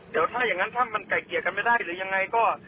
เดี๋ยวถ้าอย่างนั้นถ้ามันไก่เกลียดกันไม่ได้หรือยังไงก็